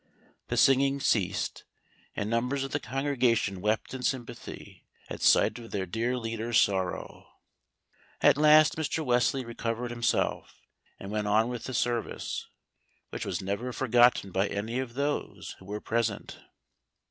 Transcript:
The singing ceased, and numbers of the congregation wept in sympathy at sight of their dear leader's sorrow. At last Mr. Wesley recovered himself, and went on with the service, which was never forgotten by any of those who were present.